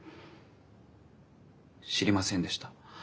知りませんでした。